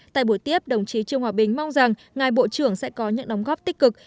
tại buổi tiếp đồng chí trương hòa bình mong rằng ngài bộ trưởng sẽ có những đóng góp tích cực